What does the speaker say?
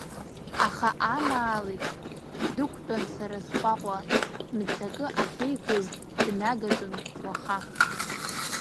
Аха амаалықь дықәтәан сара сҟәаҟәа, мцакы ахьеиқәыз днагатәын уаха.